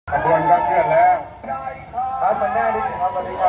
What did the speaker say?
ทุกคนก็เชื่อดแล้ว